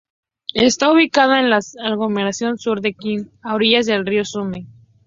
Está ubicada en la aglomeración sur de San Quintín, a orillas del río Somme.